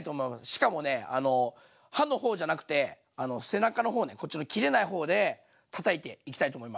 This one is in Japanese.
しかもね刃の方じゃなくて背中の方ねこっちの切れない方でたたいていきたいと思います。